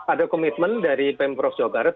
ada komitmen dari pemprov jawa barat